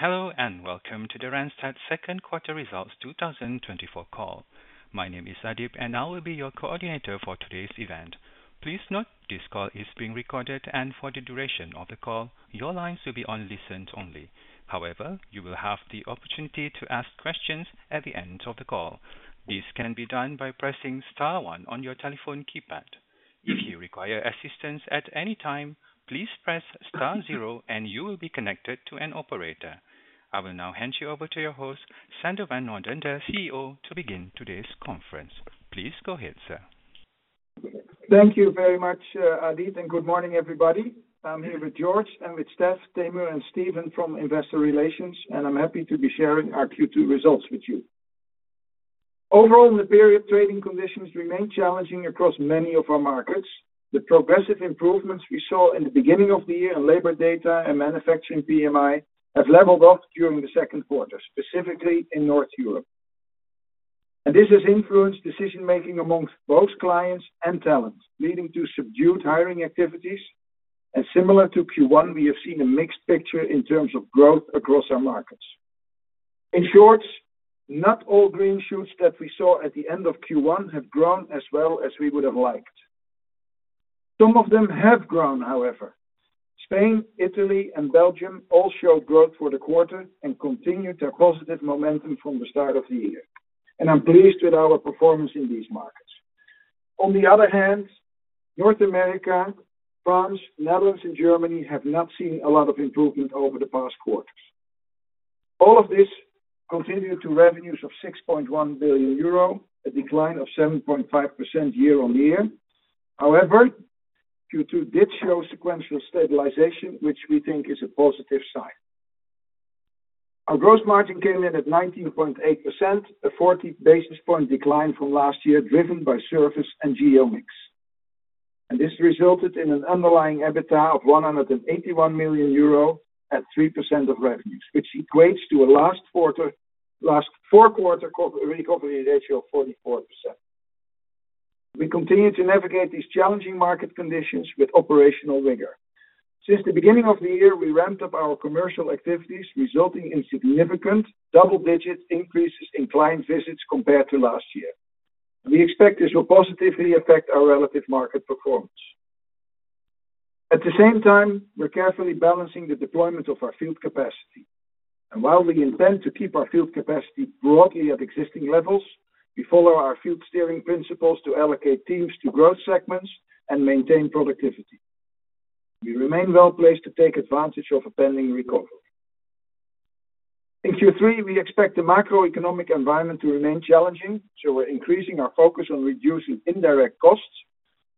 Hello and welcome to the Randstad second quarter results 2024 call. My name is Adeep, and I will be your coordinator for today's event. Please note this call is being recorded, and for the duration of the call, your lines will be on listen only. However, you will have the opportunity to ask questions at the end of the call. This can be done by pressing star one on your telephone keypad. If you require assistance at any time, please press star zero, and you will be connected to an operator. I will now hand you over to your host, Sander van ’t Noordende, CEO, to begin today's conference. Please go ahead, sir. Thank you very much, Adeep, and good morning, everybody. I'm here with Jorge, Henry Schirmer, Damian, and Stephen from Investor Relations, and I'm happy to be sharing our Q2 results with you. Overall, the period trading conditions remain challenging across many of our markets. The progressive improvements we saw in the beginning of the year in labor data and Manufacturing PMI have leveled off during the second quarter, specifically in Northern Europe. This has influenced decision-making among both clients and talent, leading to subdued hiring activities. Similar to Q1, we have seen a mixed picture in terms of growth across our markets. In short, not all green shoots that we saw at the end of Q1 have grown as well as we would have liked. Some of them have grown, however. Spain, Italy, and Belgium all showed growth for the quarter and continued their positive momentum from the start of the year. I'm pleased with our performance in these markets. On the other hand, North America, France, Netherlands, and Germany have not seen a lot of improvement over the past quarter. All of this contributed to revenues of 6.1 billion euro, a decline of 7.5% year-over-year. However, Q2 did show sequential stabilization, which we think is a positive sign. Our gross margin came in at 19.8%, a 40 basis point decline from last year, driven by service and geo mix. This resulted in an underlying EBITDA of 181 million euro at 3% of revenues, which equates to a last quarter recovery ratio of 44%. We continue to navigate these challenging market conditions with operational rigor. Since the beginning of the year, we ramped up our commercial activities, resulting in significant double-digit increases in client visits compared to last year. We expect this will positively affect our relative market performance. At the same time, we're carefully balancing the deployment of our field capacity. While we intend to keep our field capacity broadly at existing levels, we follow our field steering principles to allocate teams to growth segments and maintain productivity. We remain well placed to take advantage of a pending recovery. In Q3, we expect the macroeconomic environment to remain challenging, so we're increasing our focus on reducing indirect costs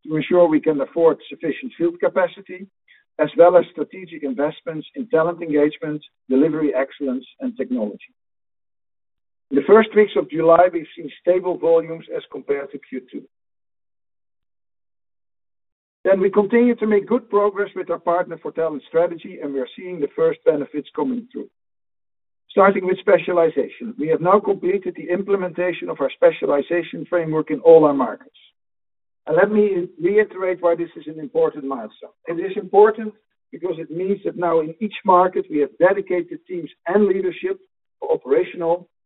to ensure we can afford sufficient field capacity, as well as strategic investments in talent engagement, delivery excellence, and technology. In the first weeks of July, we've seen stable volumes as compared to Q2. Then we continue to make good progress with our partner for talent strategy, and we're seeing the first benefits coming through. Starting with specialization, we have now completed the implementation of our specialization framework in all our markets. Let me reiterate why this is an important milestone. It is important because it means that now, in each market, we have dedicated teams and leadership for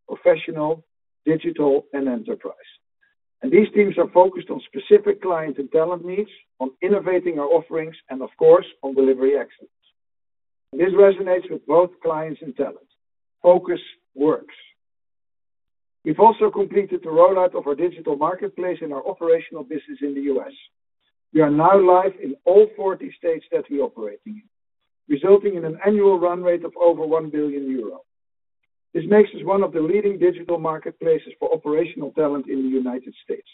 operational, professional, digital, and enterprise. These teams are focused on specific client and talent needs, on innovating our offerings, and of course, on delivery excellence. This resonates with both clients and talent. Focus works. We've also completed the rollout of our digital marketplace in our operational business in the U.S. We are now live in all 40 states that we are operating in, resulting in an annual run rate of over 1 billion euro. This makes us one of the leading digital marketplaces for operational talent in the United States.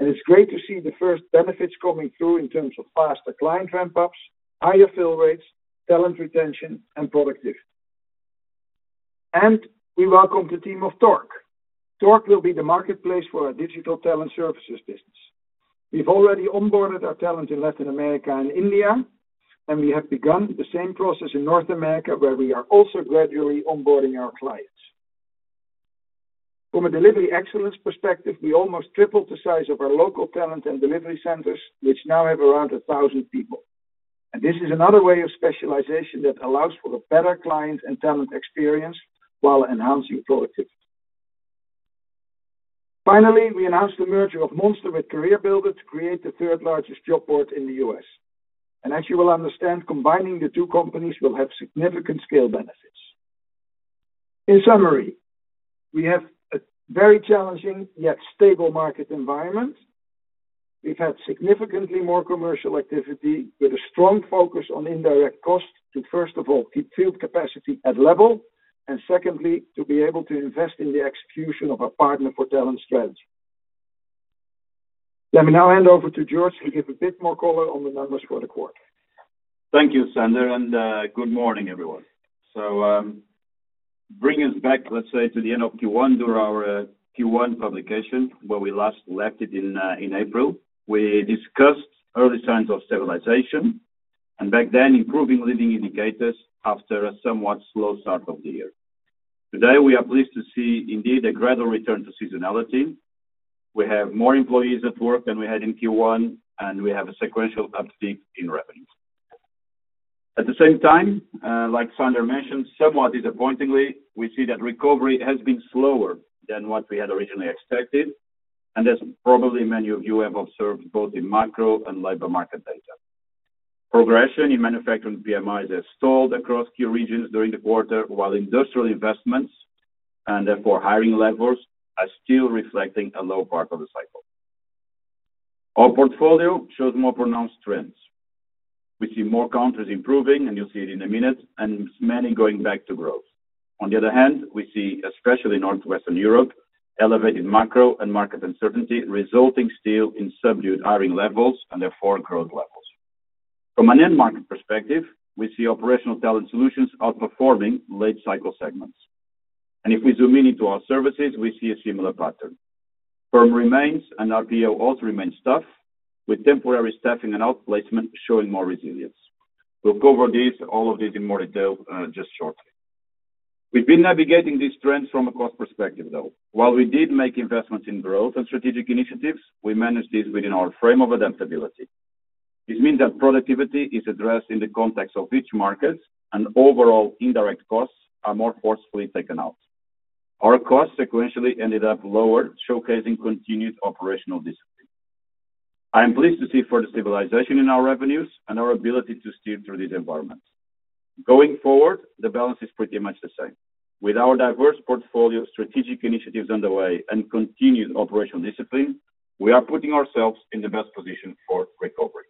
It's great to see the first benefits coming through in terms of faster client ramp-ups, higher fill rates, talent retention, and productivity. We welcome the team of Torc. Torc will be the marketplace for our digital talent services business. We've already onboarded our talent in Latin America and India, and we have begun the same process in North America, where we are also gradually onboarding our clients. From a delivery excellence perspective, we almost tripled the size of our local talent and delivery centers, which now have around 1,000 people. This is another way of specialization that allows for a better client and talent experience while enhancing productivity. Finally, we announced the merger of Monster with CareerBuilder to create the third largest job board in the US. As you will understand, combining the two companies will have significant scale benefits. In summary, we have a very challenging yet stable market environment. We've had significantly more commercial activity with a strong focus on indirect costs to, first of all, keep field capacity at level, and secondly, to be able to invest in the execution of our partner for talent strategy. Let me now hand over to Jorge to give a bit more color on the numbers for the quarter. Thank you, Sander, and good morning, everyone. So bring us back, let's say, to the end of Q1, during our Q1 publication, where we last left it in April. We discussed early signs of stabilization and back then improving leading indicators after a somewhat slow start of the year. Today, we are pleased to see indeed a gradual return to seasonality. We have more employees at work than we had in Q1, and we have a sequential uptick in revenues. At the same time, like Sander mentioned, somewhat disappointingly, we see that recovery has been slower than what we had originally expected. And as probably many of you have observed, both in macro and labor market data, progression in manufacturing PMIs has stalled across key regions during the quarter, while industrial investments and therefore hiring levels are still reflecting a low part of the cycle. Our portfolio shows more pronounced trends. We see more countries improving, and you'll see it in a minute, and many going back to growth. On the other hand, we see, especially in Northwestern Europe, elevated macro and market uncertainty resulting still in subdued hiring levels and therefore growth levels. From an end market perspective, we see operational talent solutions outperforming late cycle segments. And if we zoom in on our services, we see a similar pattern. PERM remains and RPO also remains tough, with temporary staffing and outplacement showing more resilience. We'll cover all of these in more detail just shortly. We've been navigating these trends from a cost perspective, though. While we did make investments in growth and strategic initiatives, we managed these within our frame of adaptability. This means that productivity is addressed in the context of each market, and overall indirect costs are more forcefully taken out. Our costs sequentially ended up lower, showcasing continued operational discipline. I am pleased to see further stabilization in our revenues and our ability to steer through these environments. Going forward, the balance is pretty much the same. With our diverse portfolio of strategic initiatives underway and continued operational discipline, we are putting ourselves in the best position for recovery.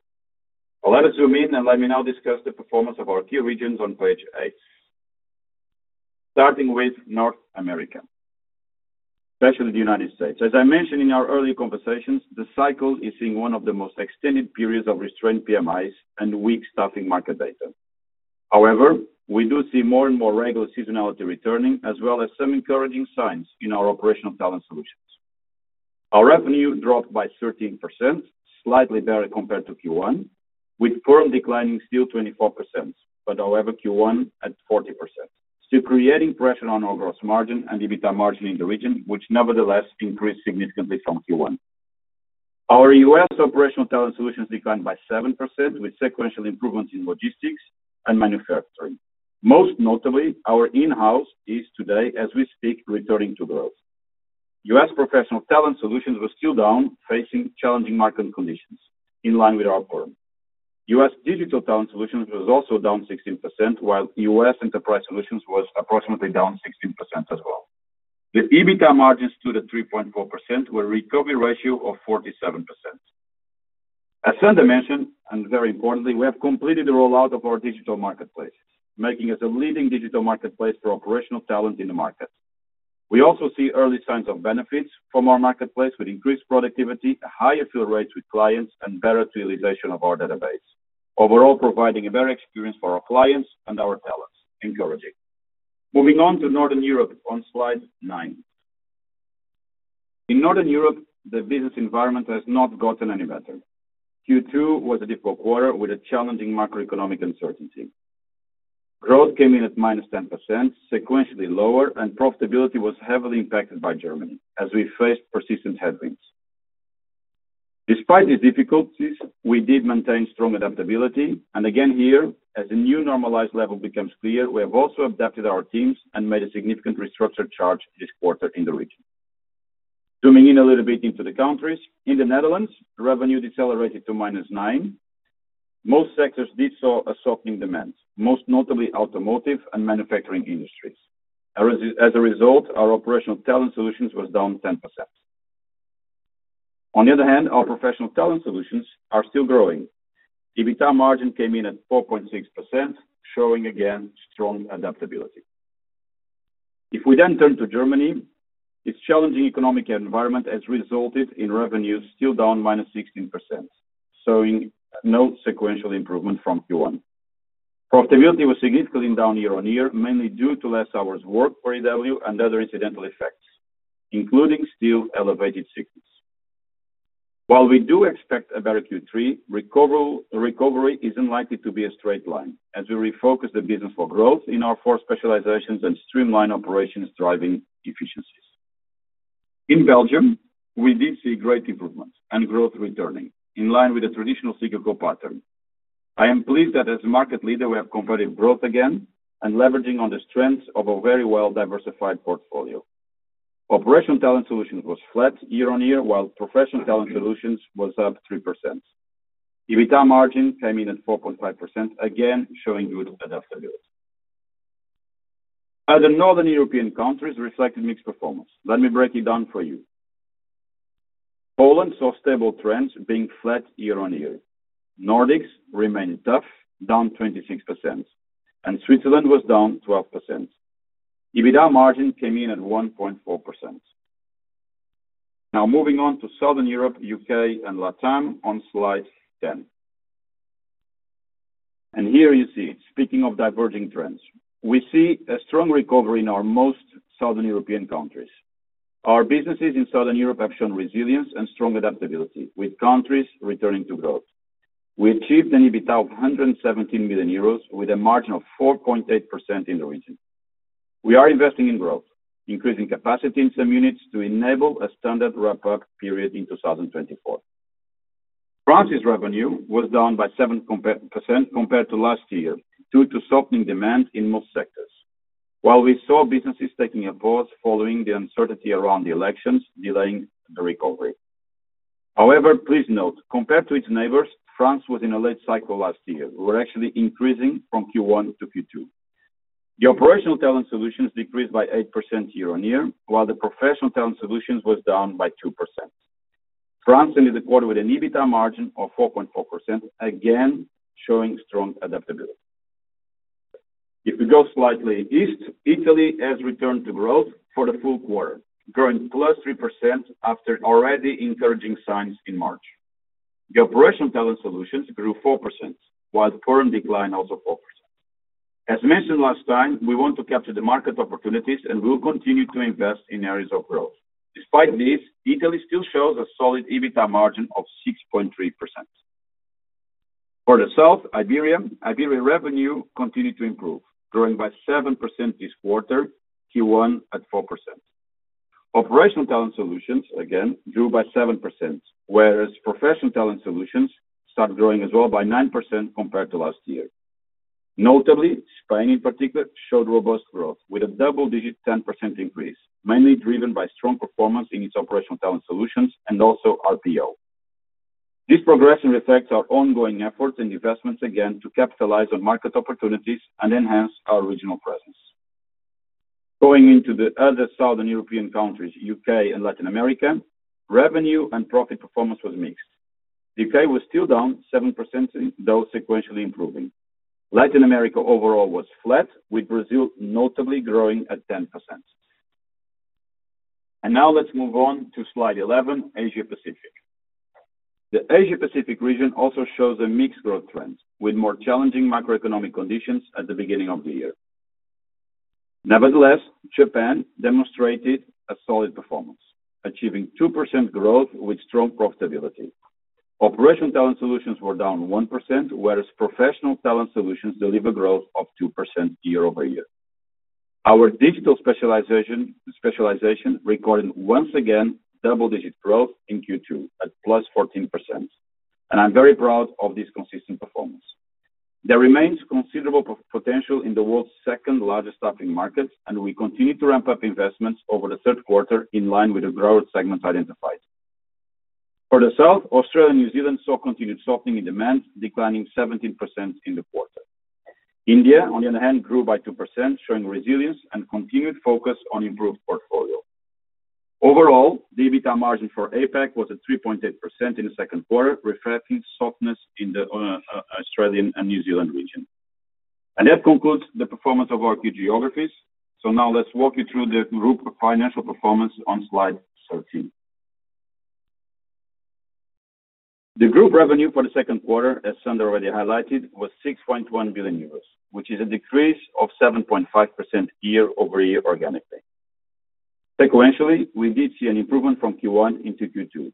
Let us zoom in and let me now discuss the performance of our key regions on page eight, starting with North America, especially the United States. As I mentioned in our earlier conversations, the cycle is seeing one of the most extended periods of restrained PMIs and weak staffing market data. However, we do see more and more regular seasonality returning, as well as some encouraging signs in our operational talent solutions. Our revenue dropped by 13%, slightly better compared to Q1, with perm declining still 24%, but however, Q1 at 40%, still creating pressure on our gross margin and EBITDA margin in the region, which nevertheless increased significantly from Q1. Our U.S. operational talent solutions declined by 7%, with sequential improvements in logistics and manufacturing. Most notably, our in-house is today, as we speak, returning to growth. U.S. professional talent solutions were still down, facing challenging market conditions, in line with our perm. U.S. digital talent solutions were also down 16%, while U.S. enterprise solutions were approximately down 16% as well. The EBITDA margin stood at 3.4%, with a recovery ratio of 47%. As Sander mentioned, and very importantly, we have completed the rollout of our digital marketplaces, making us a leading digital marketplace for operational talent in the market. We also see early signs of benefits from our marketplace, with increased productivity, higher fill rates with clients, and better utilization of our database, overall providing a better experience for our clients and our talents. Encouraging. Moving on to Northern Europe on slide nine. In Northern Europe, the business environment has not gotten any better. Q2 was a difficult quarter with a challenging macroeconomic uncertainty. Growth came in at -10%, sequentially lower, and profitability was heavily impacted by Germany, as we faced persistent headwinds. Despite these difficulties, we did maintain strong adaptability. And again here, as a new normalized level becomes clear, we have also adapted our teams and made a significant restructuring charge this quarter in the region. Zooming in a little bit into the countries, in the Netherlands, revenue decelerated to -9%. Most sectors did see a softening demand, most notably automotive and manufacturing industries. As a result, our operational talent solutions were down 10%. On the other hand, our professional talent solutions are still growing. EBITDA margin came in at 4.6%, showing again strong adaptability. If we then turn to Germany, its challenging economic environment has resulted in revenues still down -16%, showing no sequential improvement from Q1. Profitability was significantly down year-on-year, mainly due to less hours worked for EW and other incidental effects, including still elevated CGs. While we do expect a better Q3, recovery isn't likely to be a straight line as we refocus the business for growth in our four specializations and streamline operations driving efficiencies. In Belgium, we did see great improvements and growth returning, in line with the traditional cyclical pattern. I am pleased that as a market leader, we have competitive growth again and leveraging on the strengths of a very well-diversified portfolio. Operational talent solutions were flat year on year, while professional talent solutions were up 3%. EBITDA margin came in at 4.5%, again showing good adaptability. Other Northern European countries reflected mixed performance. Let me break it down for you. Poland saw stable trends being flat year on year. Nordics remained tough, down 26%, and Switzerland was down 12%. EBITDA margin came in at 1.4%. Now moving on to Southern Europe, UK, and LATAM on slide 10. And here you see, speaking of diverging trends, we see a strong recovery in our most Southern European countries. Our businesses in Southern Europe have shown resilience and strong adaptability, with countries returning to growth. We achieved an EBITDA of 117 million euros with a margin of 4.8% in the region. We are investing in growth, increasing capacity in some units to enable a standard ramp-up period in 2024. France's revenue was down by 7% compared to last year due to softening demand in most sectors, while we saw businesses taking a pause following the uncertainty around the elections delaying the recovery. However, please note, compared to its neighbors, France was in a late cycle last year. We were actually increasing from Q1 to Q2. The operational talent solutions decreased by 8% year-on-year, while the professional talent solutions were down by 2%. France ended the quarter with an EBITDA margin of 4.4%, again showing strong adaptability. If we go slightly east, Italy has returned to growth for the full quarter, growing +3% after already encouraging signs in March. The operational talent solutions grew 4%, while PERM decline also 4%. As mentioned last time, we want to capture the market opportunities, and we'll continue to invest in areas of growth. Despite this, Italy still shows a solid EBITDA margin of 6.3%. For the South, Iberia, Iberian revenue continued to improve, growing by 7% this quarter, Q1 at 4%. Operational talent solutions again grew by 7%, whereas professional talent solutions started growing as well by 9% compared to last year. Notably, Spain in particular showed robust growth with a double-digit 10% increase, mainly driven by strong performance in its operational talent solutions and also RPO. This progression reflects our ongoing efforts and investments again to capitalize on market opportunities and enhance our regional presence. Going into the other Southern European countries, UK and Latin America, revenue and profit performance was mixed. The UK was still down 7%, though sequentially improving. Latin America overall was flat, with Brazil notably growing at 10%. Now let's move on to slide 11, Asia-Pacific. The Asia-Pacific region also shows a mixed growth trend with more challenging macroeconomic conditions at the beginning of the year. Nevertheless, Japan demonstrated a solid performance, achieving 2% growth with strong profitability. Operational talent solutions were down -1%, whereas professional talent solutions delivered growth of 2% year-over-year. Our digital specialization recorded once again double-digit growth in Q2 at +14%. And I'm very proud of this consistent performance. There remains considerable potential in the world's second largest staffing markets, and we continue to ramp up investments over the third quarter in line with the growth segments identified. For the South, Australia and New Zealand saw continued softening in demand, declining -17% in the quarter. India, on the other hand, grew by 2%, showing resilience and continued focus on improved portfolio. Overall, the EBITDA margin for APAC was at 3.8% in the second quarter, reflecting softness in the Australian and New Zealand region. That concludes the performance of our key geographies. Now let's walk you through the group financial performance on slide 13. The group revenue for the second quarter, as Sander already highlighted, was 6.1 billion euros, which is a decrease of 7.5% year-over-year organically. Sequentially, we did see an improvement from Q1 into Q2,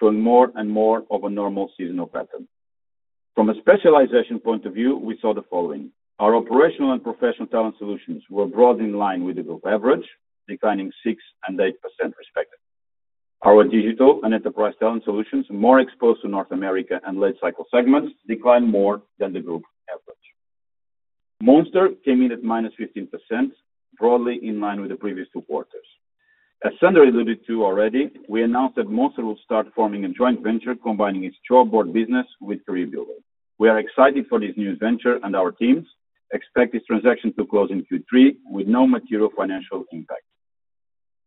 showing more and more of a normal seasonal pattern. From a specialization point of view, we saw the following. Our operational and professional talent solutions were broadly in line with the group average, declining 6% and 8% respectively. Our digital and enterprise talent solutions, more exposed to North America and late cycle segments, declined more than the group average. Monster came in at -15%, broadly in line with the previous two quarters. As Sander alluded to already, we announced that Monster will start forming a joint venture combining its job board business with CareerBuilder. We are excited for this new venture, and our teams expect this transaction to close in Q3 with no material financial impact.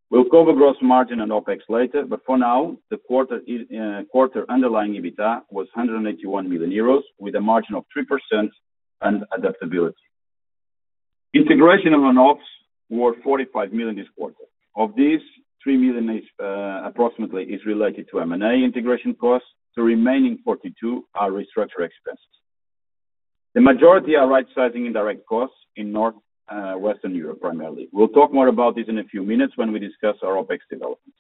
We'll cover gross margin and OPEX later, but for now, the quarter underlying EBITDA was 181 million euros, with a margin of 3% and adaptability. Integration and ops were 45 million this quarter. Of these, 3 million approximately is related to M&A integration costs. The remaining 42 million are restructured expenses. The majority are right-sizing indirect costs in Northern Europe primarily. We'll talk more about this in a few minutes when we discuss our OPEX developments.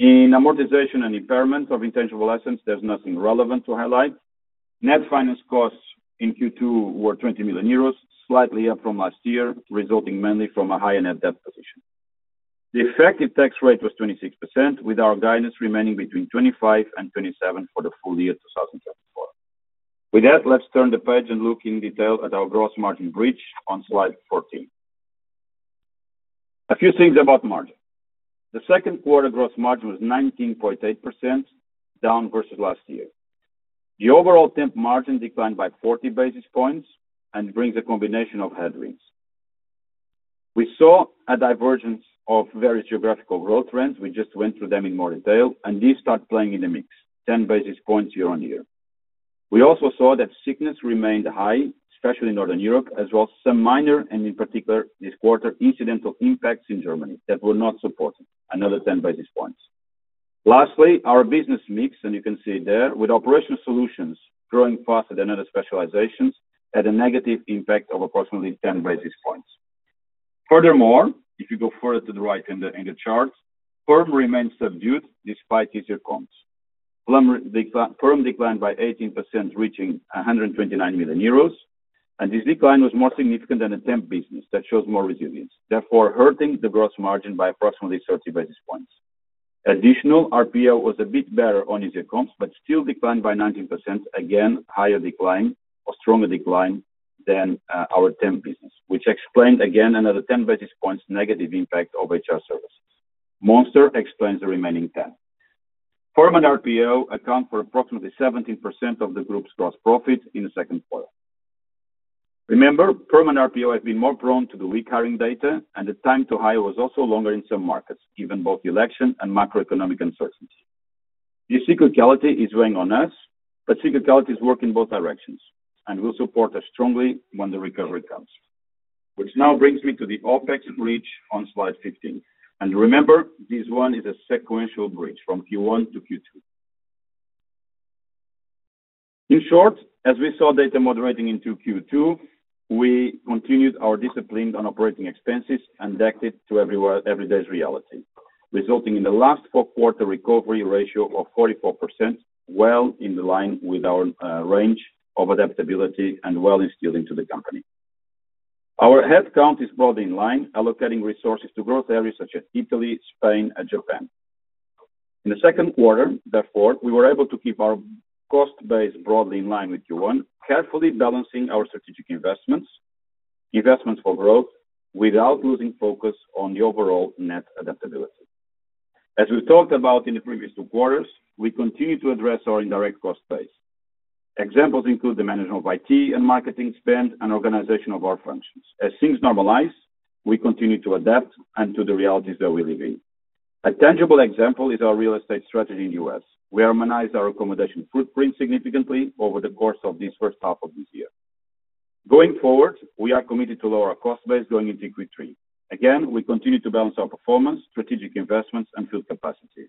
In amortization and impairment of intangible assets, there's nothing relevant to highlight. Net finance costs in Q2 were 20 million euros, slightly up from last year, resulting mainly from a higher net debt position. The effective tax rate was 26%, with our guidance remaining between 25% and 27% for the full year 2024. With that, let's turn the page and look in detail at our gross margin bridge on slide 14. A few things about margin. The second quarter gross margin was 19.8%, down versus last year. The overall temp margin declined by 40 basis points and brings a combination of headwinds. We saw a divergence of various geographical growth trends. We just went through them in more detail, and these start playing in the mix, 10 basis points year-on-year. We also saw that sickness remained high, especially in Northern Europe, as well as some minor, and in particular this quarter, incidental impacts in Germany that were not supported, another 10 basis points. Lastly, our business mix, and you can see it there, with operational solutions growing faster than other specializations, had a negative impact of approximately 10 basis points. Furthermore, if you go further to the right in the chart, firm remained subdued despite easier comps. Firm declined by 18%, reaching 129 million euros, and this decline was more significant than the temp business that shows more resilience, therefore hurting the gross margin by approximately 30 basis points. Additional RPO was a bit better on easier comps, but still declined by 19%, again higher decline, a stronger decline than our temp business, which explained again another 10 basis points negative impact of HR services. Monster explains the remaining 10. Permanent RPO accounts for approximately 17% of the group's gross profit in the second quarter. Remember, permanent RPO has been more prone to the weak hiring data, and the time to hire was also longer in some markets, given both election and macroeconomic uncertainty. This cyclicality is weighing on us, but cyclicality is working both directions, and we'll support it strongly when the recovery comes. Which now brings me to the OPEX bridge on slide 15. Remember, this one is a sequential bridge from Q1 to Q2. In short, as we saw data moderating into Q2, we continued our discipline on operating expenses and adapted to every day's reality, resulting in the last four-quarter recovery ratio of 44%, well in line with our range of adaptability and well instilled into the company. Our headcount is broadly in line, allocating resources to growth areas such as Italy, Spain, and Japan. In the second quarter, therefore, we were able to keep our cost base broadly in line with Q1, carefully balancing our strategic investments, investments for growth, without losing focus on the overall net adaptability. As we've talked about in the previous two quarters, we continue to address our indirect cost base. Examples include the management of IT and marketing spend and organization of our functions. As things normalize, we continue to adapt to the realities that we live in. A tangible example is our real estate strategy in the U.S. We harmonized our accommodation footprint significantly over the course of this first half of this year. Going forward, we are committed to lower our cost base going into Q3. Again, we continue to balance our performance, strategic investments, and field capacity.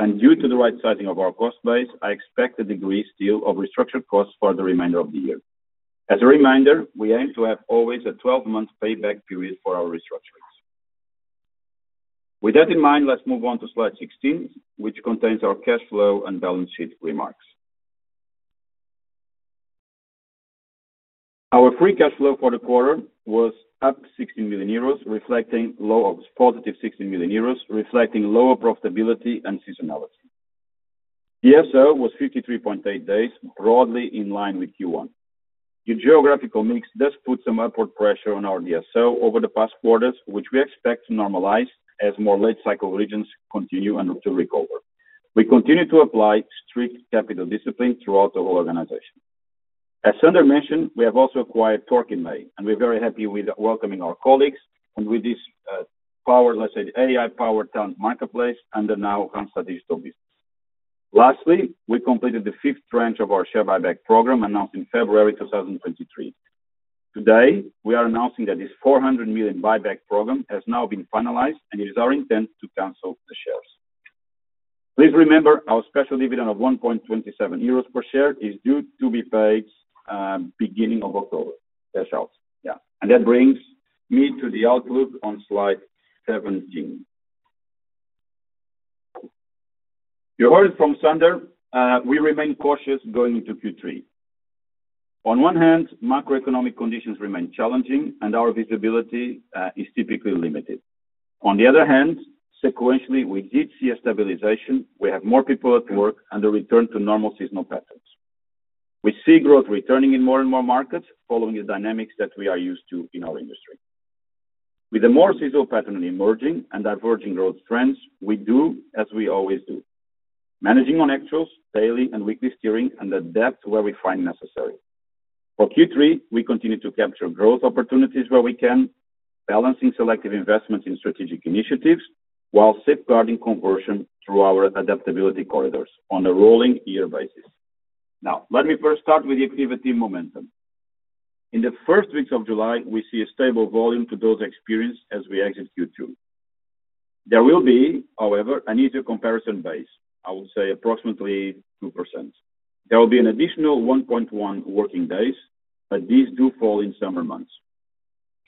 Due to the right sizing of our cost base, I expect a degree still of restructured costs for the remainder of the year. As a reminder, we aim to have always a 12-month payback period for our restructurings. With that in mind, let's move on to slide 16, which contains our cash flow and balance sheet remarks. Our free cash flow for the quarter was up 16 million euros, reflecting low positive 16 million euros, reflecting lower profitability and seasonality. DSO was 53.8 days, broadly in line with Q1. The geographical mix does put some upward pressure on our DSO over the past quarters, which we expect to normalize as more late cycle regions continue to recover. We continue to apply strict capital discipline throughout the whole organization. As Sander mentioned, we have also acquired Torc in May, and we're very happy with welcoming our colleagues and with this powerful, let's say, AI-powered talent marketplace under now Randstad Digital Business. Lastly, we completed the fifth tranche of our share buyback program announced in February 2023. Today, we are announcing that this 400 million buyback program has now been finalized, and it is our intent to cancel the shares. Please remember, our special dividend of 1.27 euros per share is due to be paid beginning of October. That's out, yeah. And that brings me to the outlook on slide 17. You heard from Sander. We remain cautious going into Q3. On one hand, macroeconomic conditions remain challenging, and our visibility is typically limited. On the other hand, sequentially, we did see a stabilization. We have more people at work and a return to normal seasonal patterns. We see growth returning in more and more markets following the dynamics that we are used to in our industry. With a more seasonal pattern emerging and diverging growth trends, we do as we always do, managing on actuals, daily and weekly steering, and the depth where we find necessary. For Q3, we continue to capture growth opportunities where we can, balancing selective investments in strategic initiatives while safeguarding conversion through our adaptability corridors on a rolling year basis. Now, let me first start with the activity momentum. In the first weeks of July, we see a stable volume to those experienced as we exit Q2. There will be, however, an easier comparison base. I would say approximately 2%. There will be an additional 1.1 working days, but these do fall in summer months.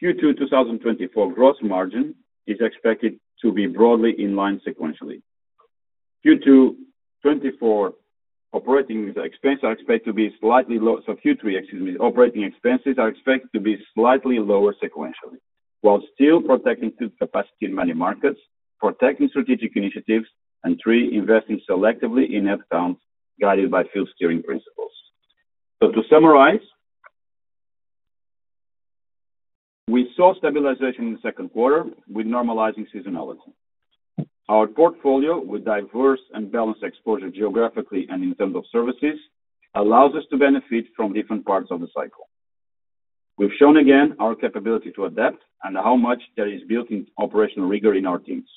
Q2 2024 gross margin is expected to be broadly in line sequentially. Q2 2024 operating expenses are expected to be slightly lower. So Q3, excuse me, operating expenses are expected to be slightly lower sequentially, while still protecting field capacity in many markets, protecting strategic initiatives, and three investing selectively in net talent guided by field steering principles. So to summarize, we saw stabilization in the second quarter with normalizing seasonality. Our portfolio with diverse and balanced exposure geographically and in terms of services allows us to benefit from different parts of the cycle. We've shown again our capability to adapt and how much there is built-in operational rigor in our teams.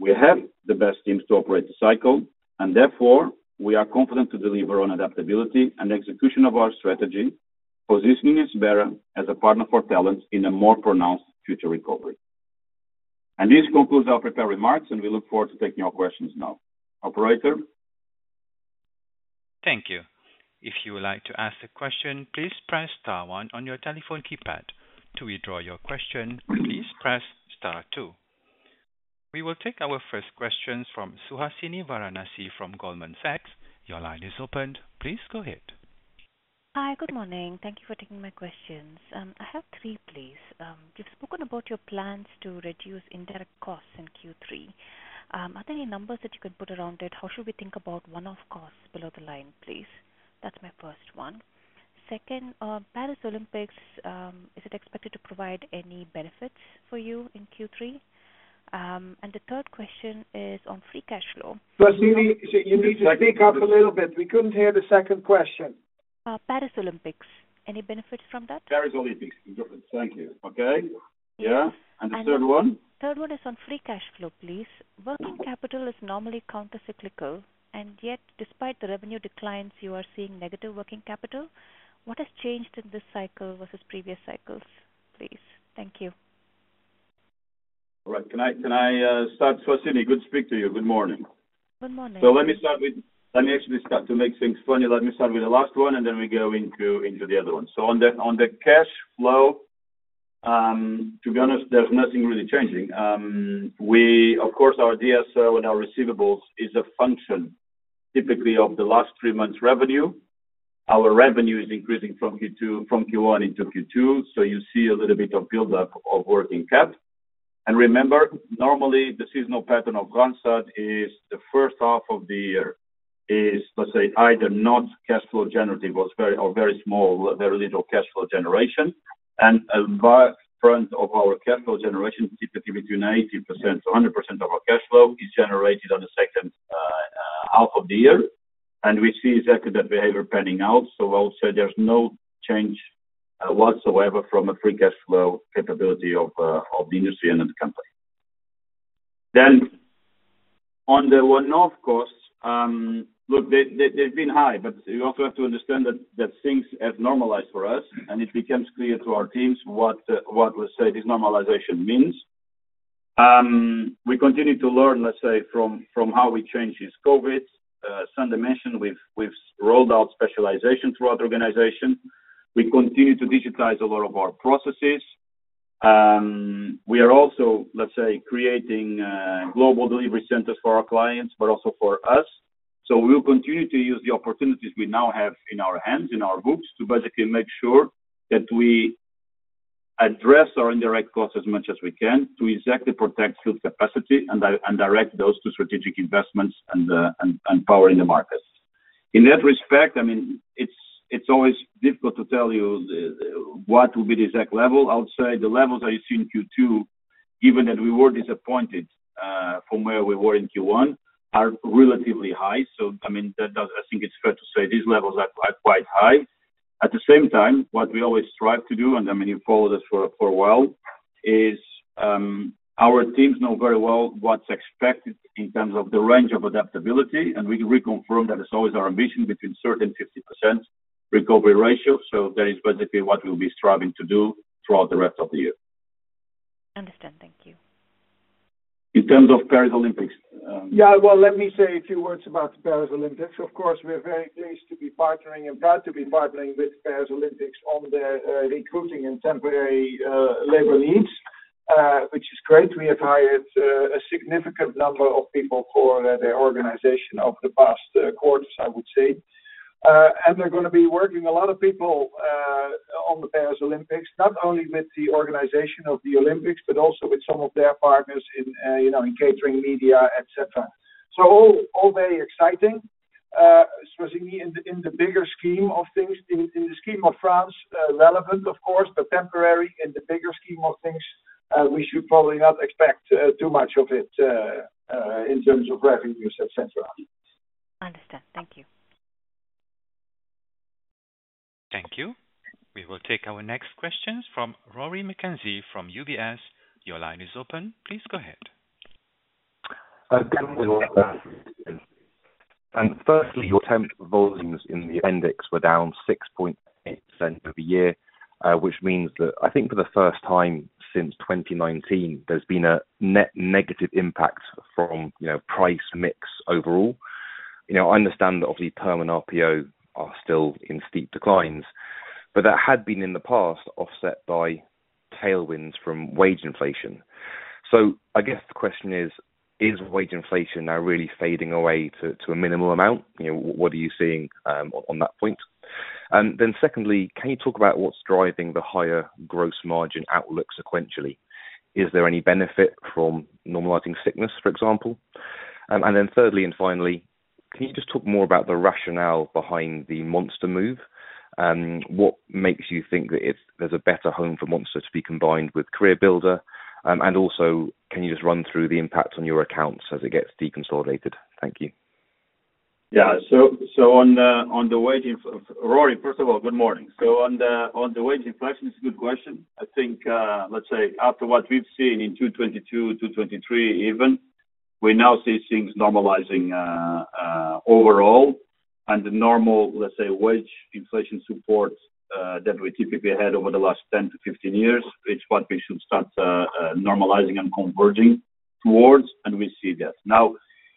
We have the best teams to operate the cycle, and therefore we are confident to deliver on adaptability and execution of our strategy, positioning Randstad as a partner for talent in a more pronounced future recovery. And this concludes our prepared remarks, and we look forward to taking your questions now. Operator. Thank you. If you would like to ask a question, please press star one on your telephone keypad. To withdraw your question, please press star two. We will take our first questions from Suhasini Varanasi from Goldman Sachs. Your line is opened. Please go ahead. Hi, good morning. Thank you for taking my questions. I have three, please. You've spoken about your plans to reduce indirect costs in Q3. Are there any numbers that you could put around it? How should we think about one-off costs below the line, please? That's my first one. Second, Paris Olympics, is it expected to provide any benefits for you in Q3? And the third question is on free cash flow. Suhasini, you need to speak up a little bit. We couldn't hear the second question. Paris Olympics, any benefits from that? Paris Olympics, good. Thank you. Okay. Yeah. And the third one? Third one is on free cash flow, please. Working capital is normally countercyclical, and yet despite the revenue declines, you are seeing negative working capital. What has changed in this cycle versus previous cycles, please? Thank you. All right. Can I start, Suhasini? Good to speak to you. Good morning. Good morning. So let me start with, let me actually start to make things funny. Let me start with the last one, and then we go into the other one. So on the cash flow, to be honest, there's nothing really changing. We, of course, our DSO and our receivables is a function typically of the last three months' revenue. Our revenue is increasing from Q1 into Q2, so you see a little bit of buildup of working cap. And remember, normally the seasonal pattern of Randstad is the first half of the year is, let's say, either not cash flow generative or very small, very little cash flow generation. And a large front of our cash flow generation, typically between 80%-100% of our cash flow, is generated on the second half of the year. And we see exactly that behavior panning out. So I would say there's no change whatsoever from a free cash flow capability of the industry and of the company. Then on the one-off costs, look, they've been high, but you also have to understand that things have normalized for us, and it becomes clear to our teams what, let's say, this normalization means. We continue to learn, let's say, from how we changed since COVID. Sander mentioned we've rolled out specialization throughout the organization. We continue to digitize a lot of our processes. We are also, let's say, creating global delivery centers for our clients, but also for us. So we will continue to use the opportunities we now have in our hands, in our books, to basically make sure that we address our indirect costs as much as we can to exactly protect field capacity and direct those to strategic investments and power in the markets. In that respect, I mean, it's always difficult to tell you what will be the exact level. I would say the levels that you see in Q2, given that we were disappointed from where we were in Q1, are relatively high. So, I mean, I think it's fair to say these levels are quite high. At the same time, what we always strive to do, and I mean, you've followed us for a while, is our teams know very well what's expected in terms of the range of adaptability, and we reconfirm that it's always our ambition between 30%-50% recovery ratio. So that is basically what we'll be striving to do throughout the rest of the year. Understood. Thank you. In terms of Paris Olympics. Yeah. Well, let me say a few words about the Paris Olympics. Of course, we're very pleased to be partnering and proud to be partnering with Paris Olympics on their recruiting and temporary labor needs, which is great. We have hired a significant number of people for their organization over the past quarters, I would say. And they're going to be working a lot of people on the Paris Olympics, not only with the organization of the Olympics, but also with some of their partners in catering, media, etc. So all very exciting. Suhasini, in the bigger scheme of things, in the scheme of France, relevant, of course, but temporary. In the bigger scheme of things, we should probably not expect too much of it in terms of revenues, etc. Understood. Thank you. Thank you. We will take our next questions from Rory McKenzie from UBS. Your line is open. Please go ahead. And firstly, your temp volumes in the index were down 6.8% over the year, which means that I think for the first time since 2019, there's been a net negative impact from price mix overall. I understand that obviously term and RPO are still in steep declines, but that had been in the past offset by tailwinds from wage inflation. So I guess the question is, is wage inflation now really fading away to a minimal amount? What are you seeing on that point? And then secondly, can you talk about what's driving the higher gross margin outlook sequentially? Is there any benefit from normalizing sickness, for example? And then thirdly and finally, can you just talk more about the rationale behind the Monster move? What makes you think that there's a better home for Monster to be combined with CareerBuilder? And also, can you just run through the impact on your accounts as it gets deconsolidated? Thank you. Yeah. So on the wage inflation, Rory, first of all, good morning. So on the wage inflation, it's a good question. I think, let's say, after what we've seen in 2022, 2023 even, we now see things normalizing overall. And the normal, let's say, wage inflation support that we typically had over the last 10-15 years, it's what we should start normalizing and converging towards, and we see that. Now,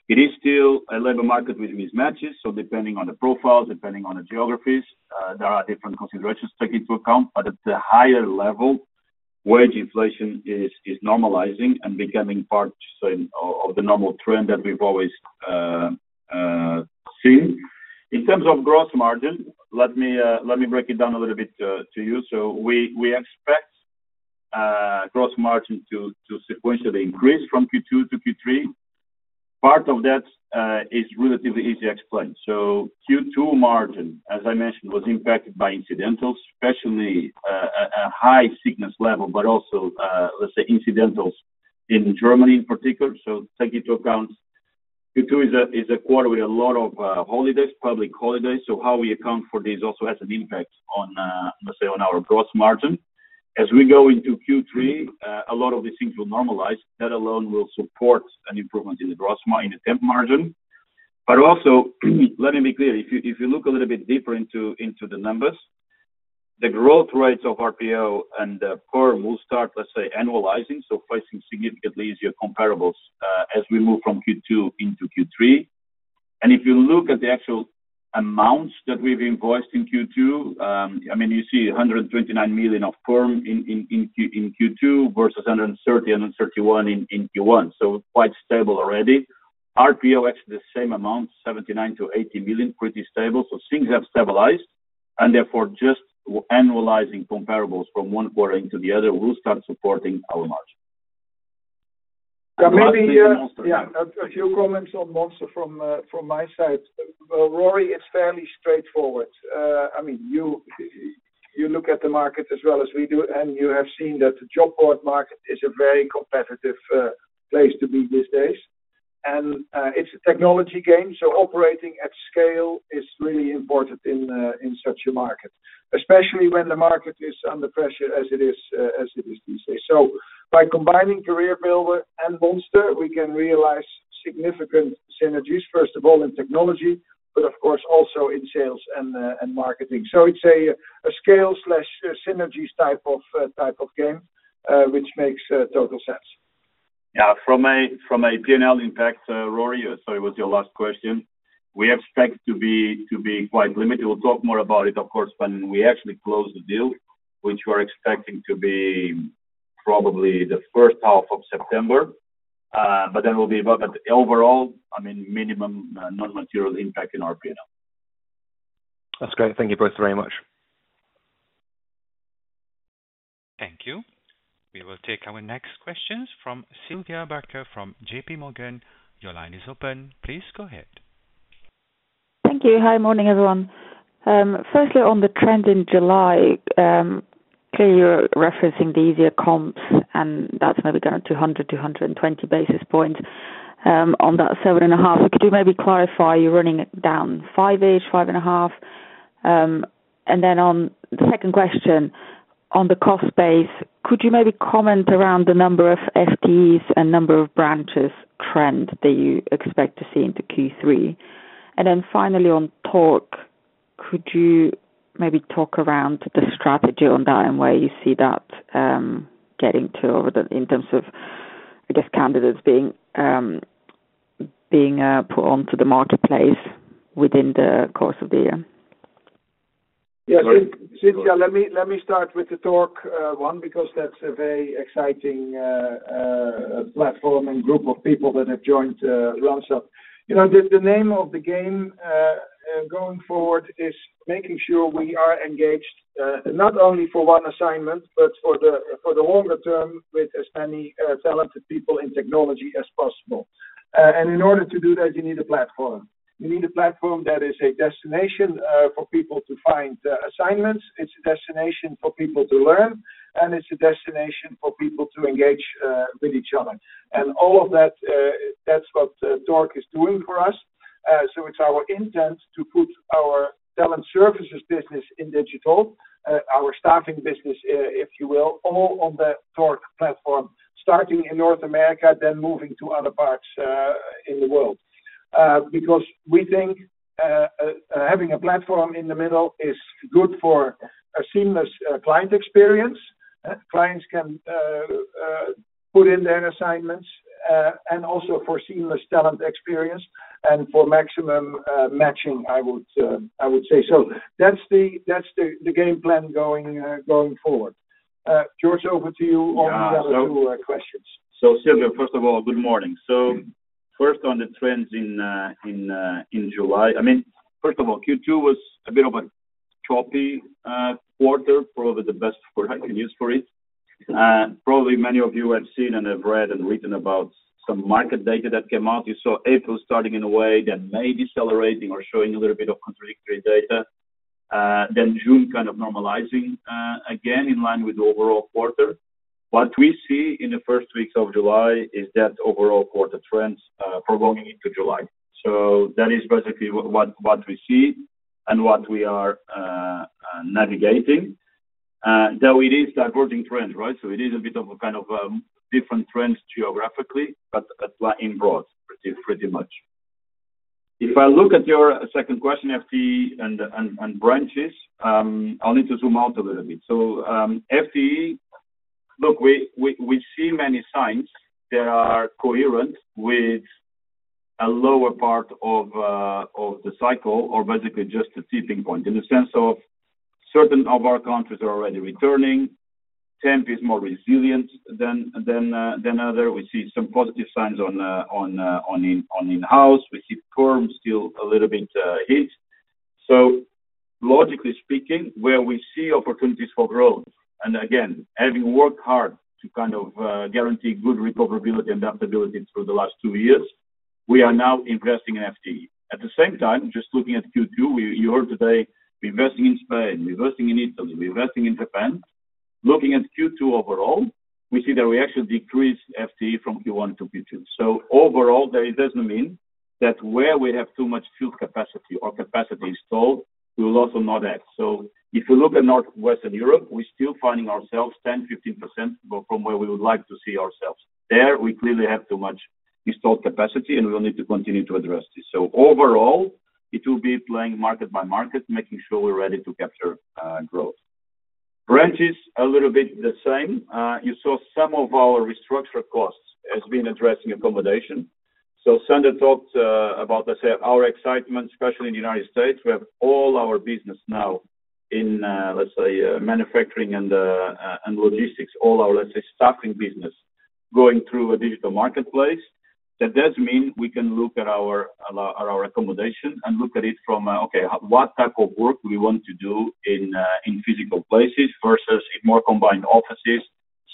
it is still a labor market with mismatches. So depending on the profiles, depending on the geographies, there are different considerations taken into account. But at the higher level, wage inflation is normalizing and becoming part of the normal trend that we've always seen. In terms of gross margin, let me break it down a little bit to you. So we expect gross margin to sequentially increase from Q2 to Q3. Part of that is relatively easy to explain. So Q2 margin, as I mentioned, was impacted by incidentals, especially a high sickness level, but also, let's say, incidentals in Germany in particular. So take into account Q2 is a quarter with a lot of holidays, public holidays. So how we account for this also has an impact on, let's say, on our gross margin. As we go into Q3, a lot of these things will normalize. That alone will support an improvement in the temp margin. But also, let me be clear. If you look a little bit deeper into the numbers, the growth rates of RPO and the PERM will start, let's say, annualizing, so facing significantly easier comparables as we move from Q2 into Q3. And if you look at the actual amounts that we've invoiced in Q2, I mean, you see 129 million of PERM in Q2 versus 130-131 in Q1. So quite stable already. RPO exits the same amount, 79 million-80 million, pretty stable. So things have stabilized. And therefore, just annualizing comparables from one quarter into the other will start supporting our margin. Maybe, yeah, a few comments on Monster from my side. Rory, it's fairly straightforward. I mean, you look at the market as well as we do, and you have seen that the job board market is a very competitive place to be these days. And it's a technology game. So operating at scale is really important in such a market, especially when the market is under pressure as it is these days. So by combining CareerBuilder and Monster, we can realize significant synergies, first of all in technology, but of course also in sales and marketing. So it's a scale/synergies type of game, which makes total sense. Yeah. From a P&L impact, Rory, sorry, was your last question. We expect to be quite limited. We'll talk more about it, of course, when we actually close the deal, which we're expecting to be probably the first half of September. But then we'll be above it. Overall, I mean, minimum non-material impact in our P&L. That's great. Thank you both very much. Thank you. We will take our next questions from Sylvia Barker from JPMorgan. Your line is open. Please go ahead. Thank you. Hi, morning everyone. Firstly, on the trend in July, clearly you're referencing the easier comps, and that's maybe down to 100-220 basis points on that 7.5. Could you maybe clarify you're running it down 5-ish, 5.5? And then on the second question, on the cost base, could you maybe comment around the number of FTEs and number of branches trend that you expect to see into Q3? And then finally, on Torc, could you maybe talk around the strategy on that and where you see that getting to in terms of, I guess, candidates being put onto the marketplace within the course of the year? Yeah. Sylvia, let me start with the Torc one because that's a very exciting platform and group of people that have joined Randstad. The name of the game going forward is making sure we are engaged not only for one assignment, but for the longer term with as many talented people in technology as possible. And in order to do that, you need a platform. You need a platform that is a destination for people to find assignments. It's a destination for people to learn, and it's a destination for people to engage with each other. And all of that, that's what Torc is doing for us. So it's our intent to put our talent services business in digital, our staffing business, if you will, all on the Torc platform, starting in North America, then moving to other parts in the world. Because we think having a platform in the middle is good for a seamless client experience. Clients can put in their assignments and also for seamless talent experience and for maximum matching, I would say. So that's the game plan going forward. Jorge, over to you on the other two questions. So Sylvia, first of all, good morning. So first on the trends in July, I mean, first of all, Q2 was a bit of a choppy quarter, probably the best word I can use for it. Probably many of you have seen and have read and written about some market data that came out. You saw April starting in a way, then maybe accelerating or showing a little bit of contradictory data. Then June kind of normalizing again in line with the overall quarter. What we see in the first weeks of July is that overall quarter trends for going into July. So that is basically what we see and what we are navigating. Now, it is diverging trends, right? So it is a bit of a kind of different trends geographically, but in broad, pretty much. If I look at your second question, FTE and branches, I'll need to zoom out a little bit. So FTE, look, we see many signs that are coherent with a lower part of the cycle or basically just a tipping point in the sense of certain of our countries are already returning. Temp is more resilient than others. We see some positive signs on in-house. We see PERM still a little bit hit. So logically speaking, where we see opportunities for growth. And again, having worked hard to kind of guarantee good recoverability and adaptability through the last two years, we are now investing in FTE. At the same time, just looking at Q2, you heard today, we're investing in Spain, we're investing in Italy, we're investing in Japan. Looking at Q2 overall, we see that we actually decreased FTE from Q1 to Q2. So overall, we mean that where we have too much field capacity or capacity installed, we will also not act. If you look at Northern Europe, we're still finding ourselves 10%-15% from where we would like to see ourselves. There, we clearly have too much installed capacity, and we will need to continue to address this. So overall, it will be playing market by market, making sure we're ready to capture growth. Branches, a little bit the same. You saw some of our restructured costs as being addressing accommodation. So Sander talked about, let's say, our excitement, especially in the United States. We have all our business now in, let's say, manufacturing and logistics, all our, let's say, staffing business going through a digital marketplace. That does mean we can look at our accommodation and look at it from, okay, what type of work we want to do in physical places versus in more combined offices.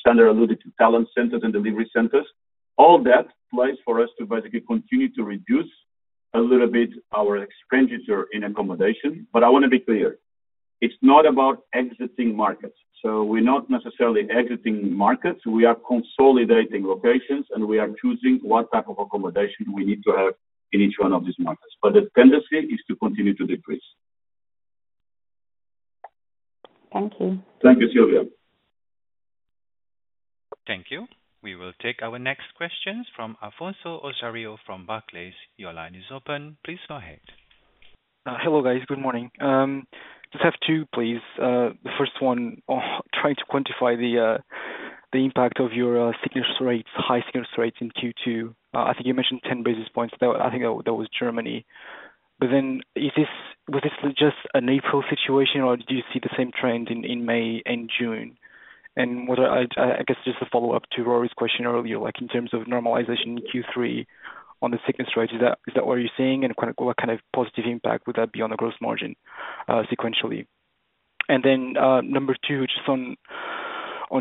Sander alluded to talent centers and delivery centers. All that plays for us to basically continue to reduce a little bit our expenditure in accommodation. But I want to be clear. It's not about exiting markets. So we're not necessarily exiting markets. We are consolidating locations, and we are choosing what type of accommodation we need to have in each one of these markets. But the tendency is to continue to decrease. Thank you. Thank you, Sylvia. Thank you. We will take our next questions from Afonso Osório from Barclays. Your line is open. Please go ahead. Hello, guys. Good morning. Just have two, please. The first one, trying to quantify the impact of your high signal rates in Q2. I think you mentioned 10 basis points. I think that was Germany. But then was this just an April situation, or did you see the same trend in May and June? I guess just a follow-up to Rory's question earlier, in terms of normalization in Q3 on the signal rate, is that what you're seeing? And what kind of positive impact would that be on the gross margin sequentially? And then number 2, just on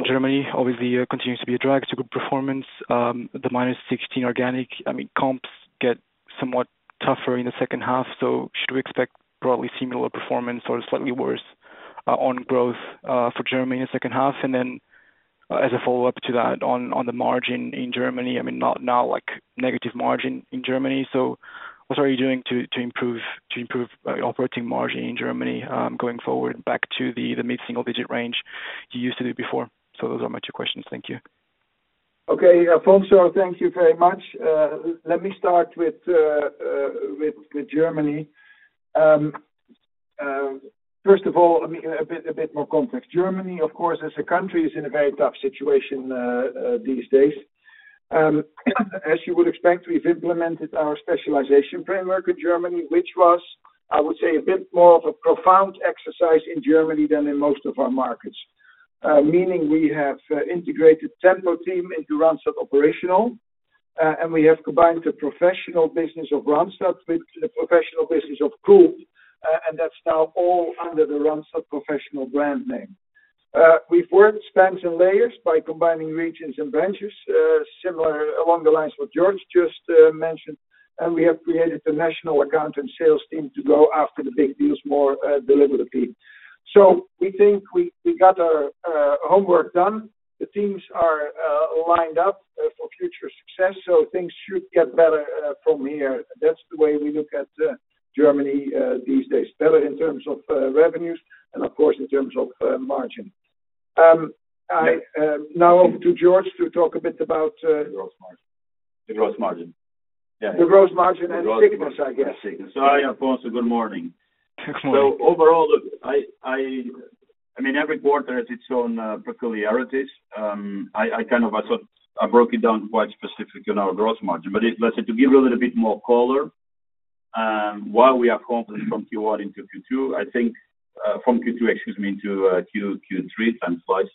Germany, obviously continues to be a drag to good performance. The -16 organic, I mean, comps get somewhat tougher in the second half. So should we expect probably similar performance or slightly worse on growth for Germany in the second half? And then as a follow-up to that, on the margin in Germany, I mean, now negative margin in Germany. So what are you doing to improve operating margin in Germany going forward back to the mid-single digit range you used to do before? So those are my 2 questions. Thank you. Okay. Afonso, thank you very much. Let me start with Germany. First of all, I mean, a bit more context. Germany, of course, as a country, is in a very tough situation these days. As you would expect, we've implemented our specialization framework in Germany, which was, I would say, a bit more of a profound exercise in Germany than in most of our markets. Meaning we have integrated Tempo-Team into Randstad Operational, and we have combined the professional business of Randstad with the professional business of GULP, and that's now all under the Randstad Professional brand name. We've worked stacks and layers by combining regions and branches similar along the lines what Jorge just mentioned. And we have created a national account and sales team to go after the big deals more deliberately. So we think we got our homework done. The teams are lined up for future success. So things should get better from here. That's the way we look at Germany these days, better in terms of revenues and, of course, in terms of margin. Now, over to Jorge to talk a bit about the gross margin. The gross margin. Yeah. The gross margin and signals, I guess. So hi, Afonso. Good morning. Good morning. So overall, I mean, every quarter has its own peculiarities. I kind of broke it down quite specifically on our gross margin. But let's say to give you a little bit more color, while we are confident from Q1 into Q2, I think from Q2, excuse me, into Q3 times twice,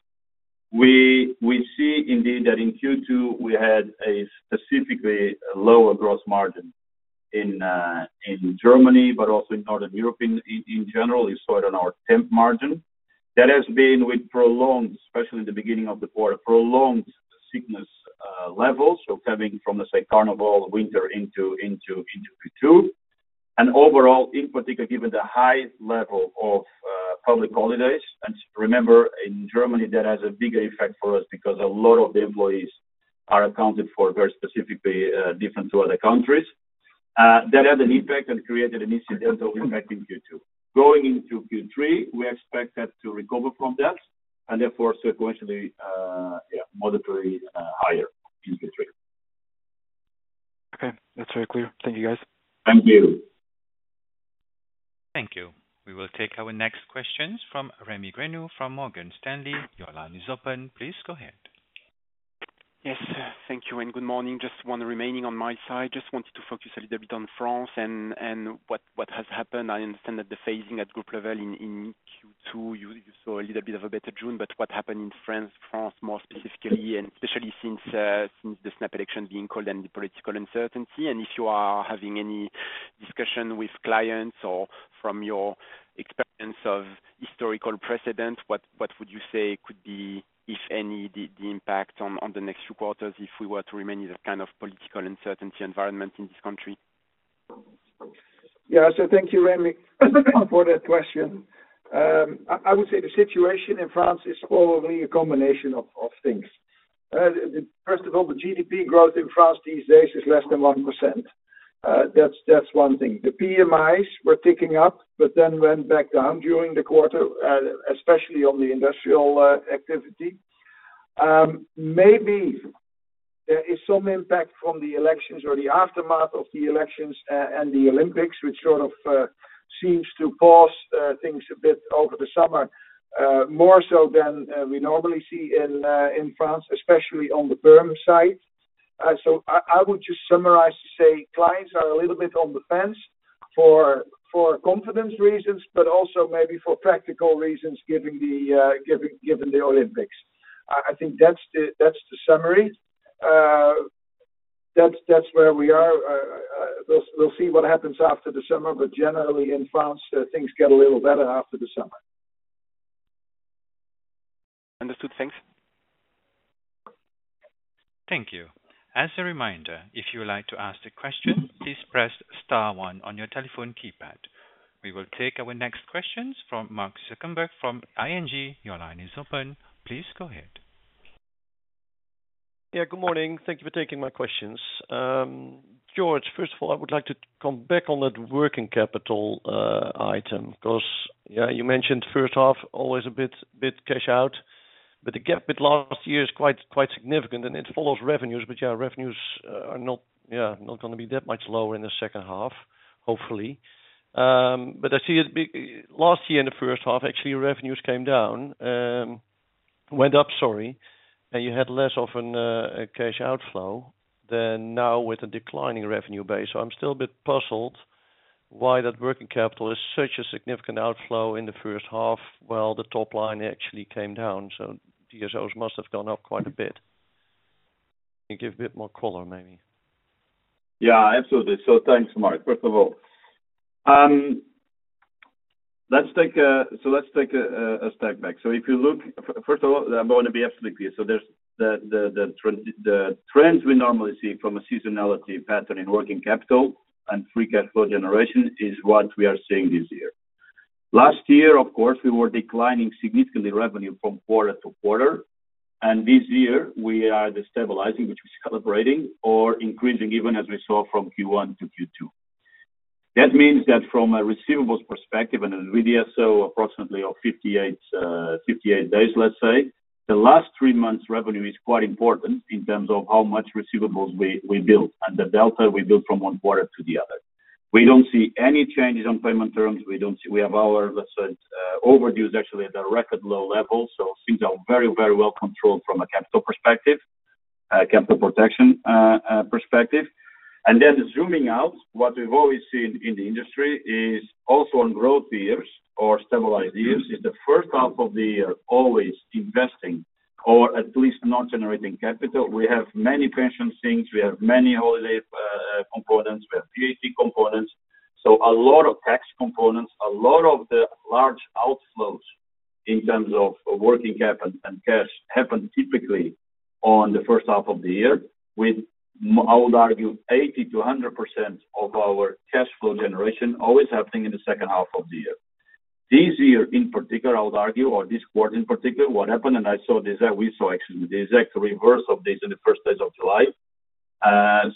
we see indeed that in Q2, we had a specifically lower gross margin in Germany, but also in Northern Europe in general. You saw it on our temp margin. That has been with prolonged, especially in the beginning of the quarter, prolonged sickness levels. So coming from, let's say, Carnival winter into Q2. And overall, in particular, given the high level of public holidays. And remember, in Germany, that has a bigger effect for us because a lot of the employees are accounted for very specifically different to other countries. That had an impact and created an incidental impact in Q2. Going into Q3, we expect that to recover from that and therefore sequentially, yeah, monetarily higher in Q3. Okay. That's very clear. Thank you, guys. Thank you. Thank you. We will take our next questions from Rémy Grenu from Morgan Stanley. Your line is open. Please go ahead. Yes. Thank you. And good morning. Just one remaining on my side. Just wanted to focus a little bit on France and what has happened. I understand that the phasing at group level in Q2, you saw a little bit of a better June. But what happened in France, France more specifically, and especially since the snap election being called and the political uncertainty? And if you are having any discussion with clients or from your experience of historical precedent, what would you say could be, if any, the impact on the next few quarters if we were to remain in that kind of political uncertainty environment in this country? Yeah. So thank you, Rémy, for that question. I would say the situation in France is probably a combination of things. First of all, the GDP growth in France these days is less than 1%. That's one thing. The PMIs were ticking up, but then went back down during the quarter, especially on the industrial activity. Maybe there is some impact from the elections or the aftermath of the elections and the Olympics, which sort of seems to pause things a bit over the summer, more so than we normally see in France, especially on the perm side. So I would just summarize to say clients are a little bit on the fence for confidence reasons, but also maybe for practical reasons given the Olympics. I think that's the summary. That's where we are. We'll see what happens after the summer. But generally, in France, things get a little better after the summer. Understood. Thanks. Thank you. As a reminder, if you would like to ask a question, please press star one on your telephone keypad. We will take our next questions from Marc Zwartsenburg from ING. Your line is open. Please go ahead. Yeah. Good morning. Thank you for taking my questions. Jorge, first of all, I would like to come back on that working capital item because, yeah, you mentioned first half always a bit cash out. But the gap with last year is quite significant, and it follows revenues. But yeah, revenues are not, yeah, not going to be that much lower in the second half, hopefully. But I see it last year in the first half, actually, revenues came down, went up, sorry, and you had less of a cash outflow than now with a declining revenue base. So I'm still a bit puzzled why that working capital is such a significant outflow in the first half while the top line actually came down. So DSOs must have gone up quite a bit. Can you give a bit more color, maybe? Yeah. Absolutely. So thanks, Marc. First of all, let's take a step back. So if you look, first of all, I'm going to be absolutely clear. So the trends we normally see from a seasonality pattern in working capital and free cash flow generation is what we are seeing this year. Last year, of course, we were declining significantly revenue from quarter to quarter. And this year, we are destabilizing, which is calibrating or increasing even as we saw from Q1 to Q2. That means that from a receivables perspective and with DSO approximately of 58 days, let's say, the last three months' revenue is quite important in terms of how much receivables we built and the delta we built from one quarter to the other. We don't see any changes on payment terms. We have our, let's say, overdue is actually at a record low level. So things are very, very well controlled from a capital perspective, capital protection perspective. And then zooming out, what we've always seen in the industry is also on growth years or stabilized years is the first half of the year always investing or at least not generating capital. We have many pension things. We have many holiday components. We have VAT components. So a lot of tax components, a lot of the large outflows in terms of working capital and cash happen typically on the first half of the year with, I would argue, 80%-100% of our cash flow generation always happening in the second half of the year. This year, in particular, I would argue, or this quarter in particular, what happened, and I saw the exact reverse of this in the first days of July.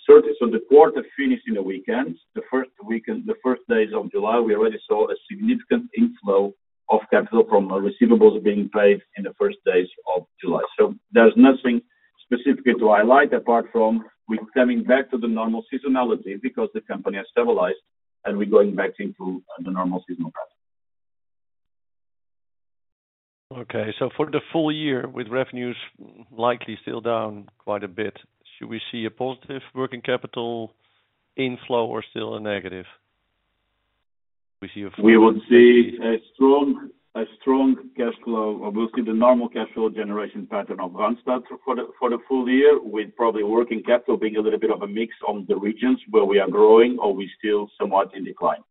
So the quarter finished in the weekends. The first days of July, we already saw a significant inflow of capital from receivables being paid in the first days of July. So there's nothing specifically to highlight apart from we're coming back to the normal seasonality because the company has stabilized and we're going back into the normal seasonal pattern. Okay. So for the full year with revenues likely still down quite a bit, should we see a positive working capital inflow or still a negative? We see a strong cash flow or we'll see the normal cash flow generation pattern of Randstad for the full year with probably working capital being a little bit of a mix on the regions where we are growing or we're still somewhat in decline.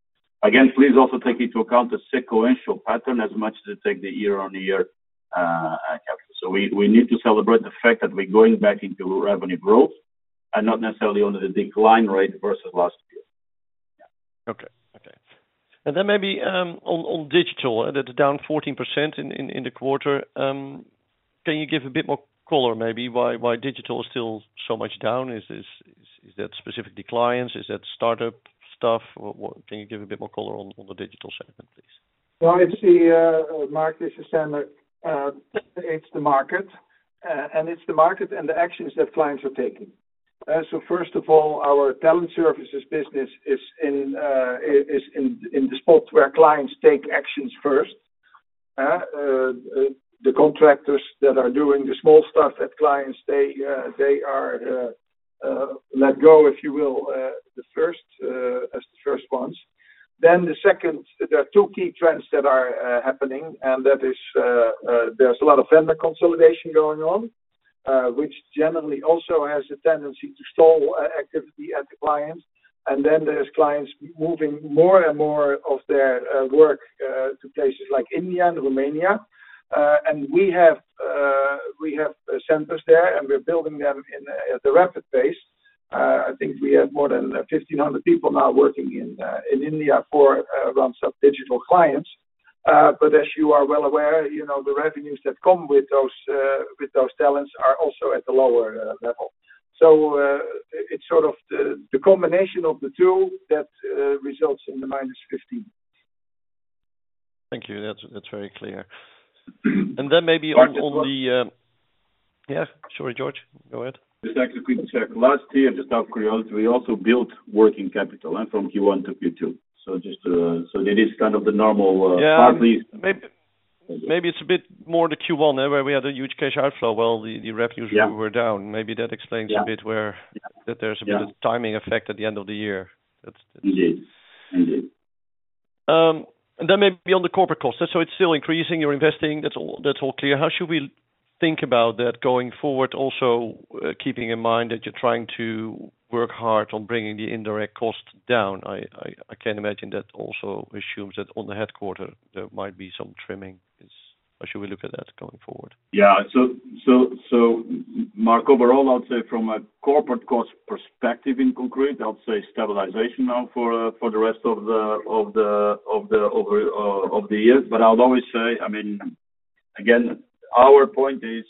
Again, please also take into account the sequential pattern as much as you take the year-on-year capital. So we need to celebrate the fact that we're going back into revenue growth and not necessarily under the decline rate versus last year. Yeah. Okay. Okay. And then maybe on digital, that's down 14% in the quarter. Can you give a bit more color, maybe, why digital is still so much down? Is that specifically clients? Is that startup stuff? Can you give a bit more color on the digital segment, please? Well, it's the, Marc, this is Sander. It's the market. And it's the market and the actions that clients are taking. So first of all, our talent services business is in the spot where clients take actions first. The contractors that are doing the small stuff that clients, they are let go, if you will, as the first ones. Then the second, there are two key trends that are happening, and that is there's a lot of vendor consolidation going on, which generally also has a tendency to stall activity at the clients. And then there's clients moving more and more of their work to places like India and Romania. And we have centers there, and we're building them at a rapid pace. I think we have more than 1,500 people now working in India for Randstad Digital clients. But as you are well aware, the revenues that come with those talents are also at a lower level. So it's sort of the combination of the two that results in the -15. Thank you. That's very clear. And then maybe on the - yeah? Sorry, Jorge. Go ahead. Exactly. The circularity and just out of curiosity, we also built working capital from Q1 to Q2. So there is kind of the normal partly. Yeah. Maybe it's a bit more the Q1, where we had a huge cash outflow while the revenues were down. Maybe that explains a bit where there's a bit of timing effect at the end of the year. Indeed. Indeed. And then maybe on the corporate cost. So it's still increasing. You're investing. That's all clear. How should we think about that going forward, also keeping in mind that you're trying to work hard on bringing the indirect cost down? I can't imagine that also assumes that on the headquarters, there might be some trimming. How should we look at that going forward? Yeah. So, Mark, overall, I'll say from a corporate cost perspective in concrete, I'll say stabilization now for the rest of the year. But I'll always say, I mean, again, our point is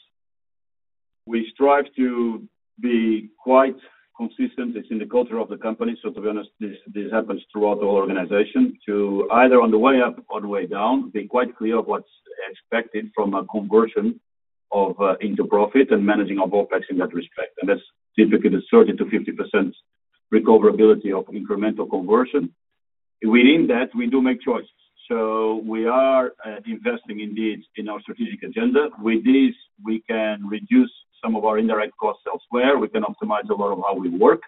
we strive to be quite consistent. It's in the culture of the company. So, to be honest, this happens throughout the organization to either on the way up or the way down, being quite clear of what's expected from a conversion into profit and managing of OPEX in that respect. And that's typically the 30%-50% recoverability of incremental conversion. Within that, we do make choices. So we are investing indeed in our strategic agenda. With this, we can reduce some of our indirect costs elsewhere. We can optimize a lot of how we work.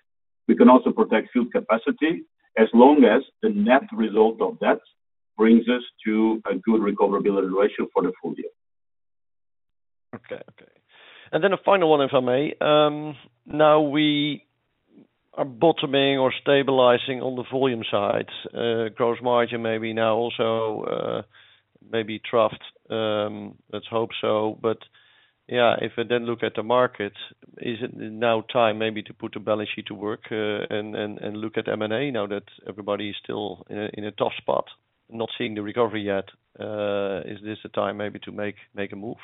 We can also protect field capacity as long as the net result of that brings us to a good recoverability ratio for the full year. Okay. Okay. And then a final one, if I may. Now, we are bottoming or stabilizing on the volume side. Gross margin maybe now also maybe troughed. Let's hope so. But yeah, if we then look at the market, is it now time maybe to put a balance sheet to work and look at M&A now that everybody is still in a tough spot, not seeing the recovery yet? Is this the time maybe to make a move?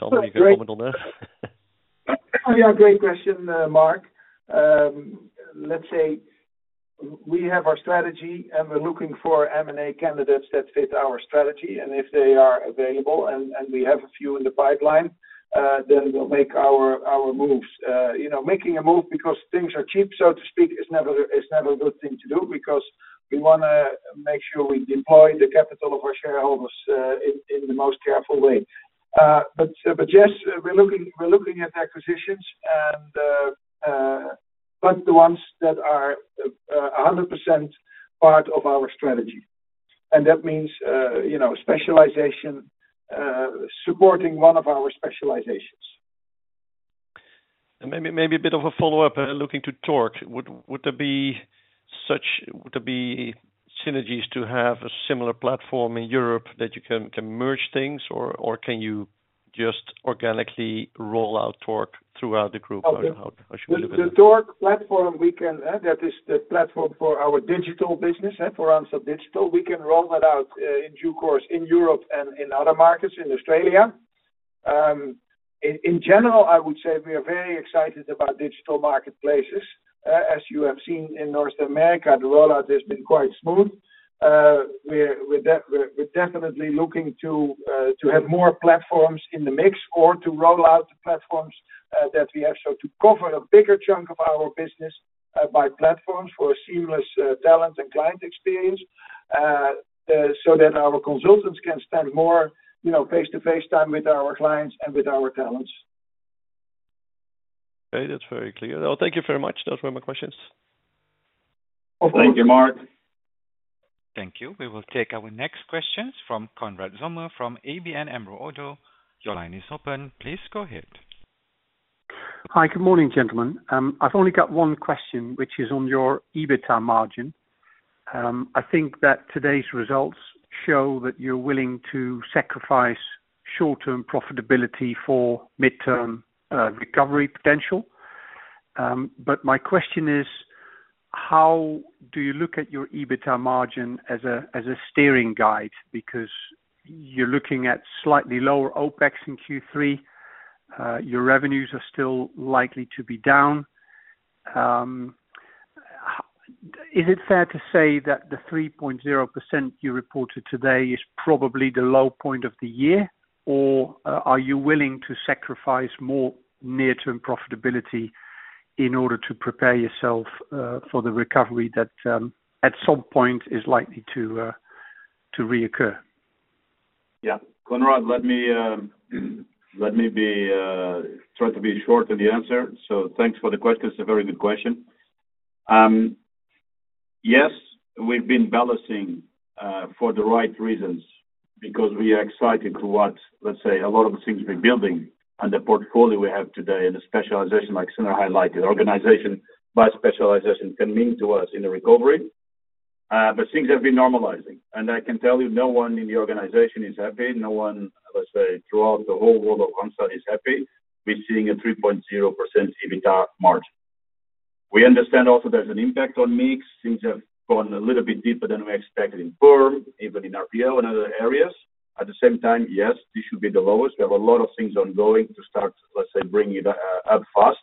Somebody can comment on that. Yeah. Great question, Marc. Let's say we have our strategy, and we're looking for M&A candidates that fit our strategy. And if they are available and we have a few in the pipeline, then we'll make our moves. Making a move because things are cheap, so to speak, is never a good thing to do because we want to make sure we deploy the capital of our shareholders in the most careful way. But yes, we're looking at acquisitions, but the ones that are 100% part of our strategy. And that means specialization, supporting one of our specializations. And maybe a bit of a follow-up. Looking to Torc, would there be such synergies to have a similar platform in Europe that you can merge things, or can you just organically roll out Torc throughout the group? How should we look at that? The Torc platform—that is the platform for our digital business, for Randstad Digital. We can roll that out in due course in Europe and in other markets in Australia. In general, I would say we are very excited about digital marketplaces. As you have seen in North America, the rollout has been quite smooth. We're definitely looking to have more platforms in the mix or to roll out the platforms that we have so to cover a bigger chunk of our business by platforms for seamless talent and client experience so that our consultants can spend more face-to-face time with our clients and with our talents. Okay. That's very clear. Well, thank you very much. Those were my questions. Thank you, Marc. Thank you. We will take our next questions from Konrad Zomer from ABN AMRO. Your line is open. Please go ahead. Hi. Good morning, gentlemen. I've only got one question, which is on your EBITDA margin. I think that today's results show that you're willing to sacrifice short-term profitability for midterm recovery potential. But my question is, how do you look at your EBITDA margin as a steering guide? Because you're looking at slightly lower OPEX in Q3, your revenues are still likely to be down. Is it fair to say that the 3.0% you reported today is probably the low point of the year, or are you willing to sacrifice more near-term profitability in order to prepare yourself for the recovery that at some point is likely to reoccur? Yeah. Konrad, let me try to be short in the answer. So thanks for the question. It's a very good question. Yes, we've been balancing for the right reasons because we are excited to what, let's say, a lot of the things we're building and the portfolio we have today and the specialization, like Sander highlighted, organization by specialization can mean to us in the recovery. But things have been normalizing. And I can tell you no one in the organization is happy. No one, let's say, throughout the whole world of Randstad is happy with seeing a 3.0% EBITDA margin. We understand also there's an impact on mix. Things have gone a little bit deeper than we expected in perm, even in RPO and other areas. At the same time, yes, this should be the lowest. We have a lot of things ongoing to start, let's say, bringing it up fast.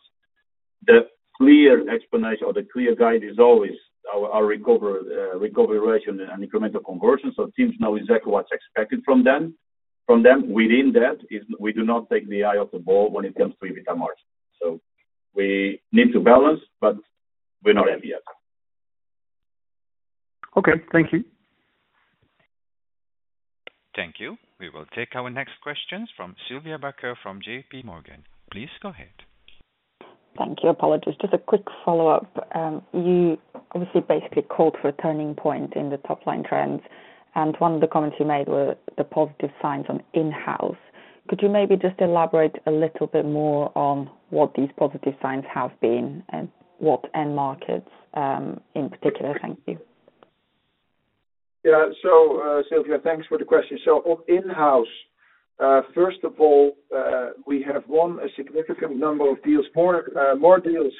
The clear explanation or the clear guide is always our recovery ratio and incremental conversion. So teams know exactly what's expected from them. Within that, we do not take the eye off the ball when it comes to EBITDA margin. So we need to balance, but we're not happy yet. Okay. Thank you. Thank you. We will take our next questions from Sylvia Barker from JPMorgan. Please go ahead. Thank you. Apologies. Just a quick follow-up. You obviously basically called for a turning point in the top-line trends, and one of the comments you made were the positive signs on in-house. Could you maybe just elaborate a little bit more on what these positive signs have been and what end markets in particular? Thank you. Yeah. So, Sylvia, thanks for the question. So in-house, first of all, we have won a significant number of deals, more deals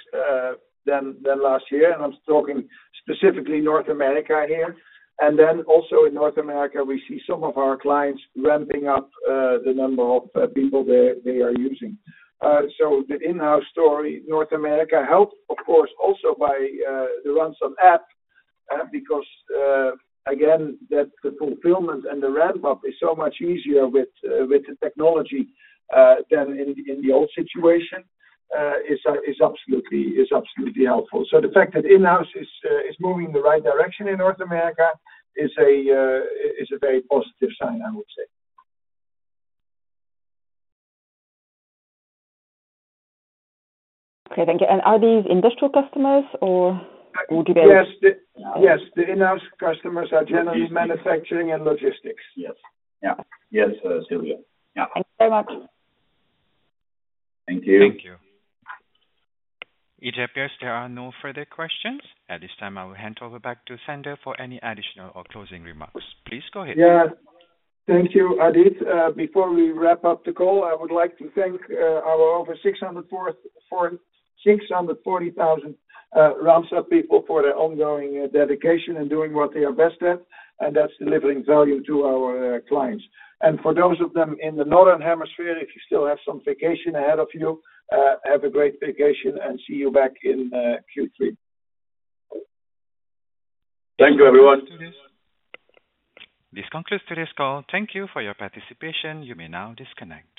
than last year. And I'm talking specifically North America here. And then also in North America, we see some of our clients ramping up the number of people they are using. So the in-house story, North America helped, of course, also by the Randstad app because, again, the fulfillment and the ramp-up is so much easier with the technology than in the old situation is absolutely helpful. So the fact that in-house is moving in the right direction in North America is a very positive sign, I would say. Okay. Thank you. And are these industrial customers, or would you be able to? Yes. Yes. The in-house customers are generally manufacturing and logistics. Yes. Yeah. Yes, Sylvia. Yeah. Thank you very much. Thank you. Thank you. It appears there are no further questions. At this time, I will hand over back to Sander for any additional or closing remarks. Please go ahead. Yeah. Thank you, Adit. Before we wrap up the call, I would like to thank our over 640,000 Randstad people for their ongoing dedication and doing what they are best at. And that's delivering value to our clients. For those of them in the northern hemisphere, if you still have some vacation ahead of you, have a great vacation and see you back in Q3. Thank you, everyone. This concludes today's call. Thank you for your participation. You may now disconnect.